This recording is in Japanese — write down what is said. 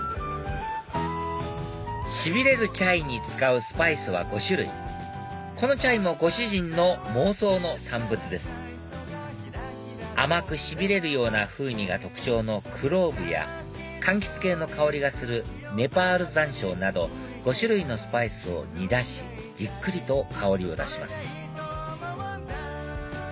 しびれるチャイに使うスパイスは５種類このチャイもご主人の妄想の産物です甘くしびれるような風味が特徴のクローブやかんきつ系の香りがするネパール山椒など５種類のスパイスを煮出しじっくりと香りを出します